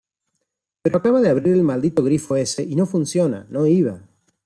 pero acaba de abrir el maldito grifo ese y no funciona, no iba.